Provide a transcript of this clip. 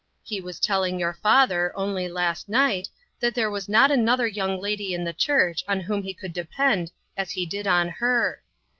He was telling your father, only last night, that there was not another young lady in the church on whom he could depend as he did on her.